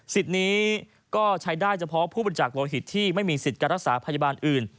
นี้ก็ใช้ได้เฉพาะผู้บริจาคโลหิตที่ไม่มีสิทธิ์การรักษาพยาบาลอื่น